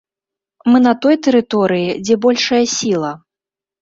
Мы на той тэрыторыі, дзе большая сіла.